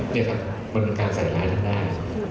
เนี่ยค่ะมันเป็นการสัยร้ายทางหน้า